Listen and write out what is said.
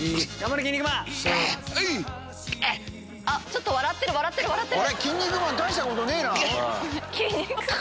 ちょっと笑ってる笑ってる笑ってる！